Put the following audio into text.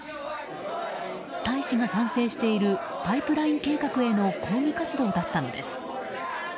大使が賛成しているパイプライン計画への抗議活動だったのです。